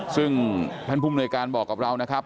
ซึ่งแผ่นภูมิหน่วยการบอกกับเรานะครับ